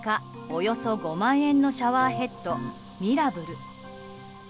およそ５万円のシャワーヘッド、ミラブル。